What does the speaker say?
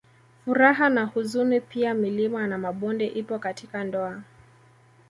Furaha na huzuni pia milima na mabonde ipo katika ndoa